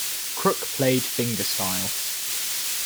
Crook played fingerstyle.